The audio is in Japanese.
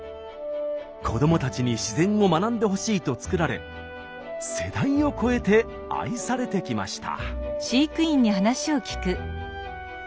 子どもたちに自然を学んでほしいと作られ世代を超えて愛されてきました。